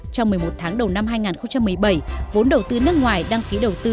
trong một mươi một tháng đầu năm hai nghìn một mươi bảy vốn đầu tư nước ngoài đăng ký đầu tư